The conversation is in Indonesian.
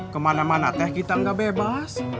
kemana mana teh kita nggak bebas